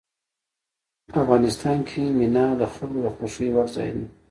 افغانستان کې منی د خلکو د خوښې وړ ځای دی.